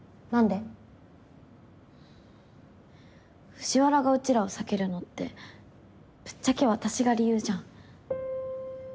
藤原がうちらを避けるのってぶっちゃけ私が理由じゃん。